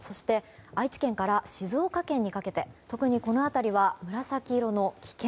愛知県から静岡県にかけて特にこの辺りは紫色の危険。